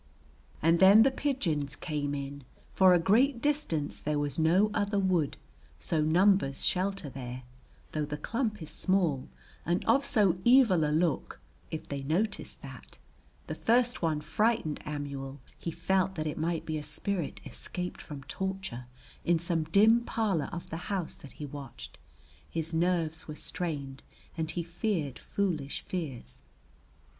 And then the pigeons came in; for a great distance there was no other wood, so numbers shelter there, though the clump is small and of so evil a look (if they notice that); the first one frightened Amuel, he felt that it might be a spirit escaped from torture in some dim parlour of the house that he watched, his nerves were strained and he feared foolish fears.